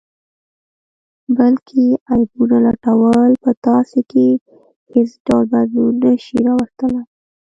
بل کې عیبونه لټول په تاسې کې حیڅ ډول بدلون نه شي راوستلئ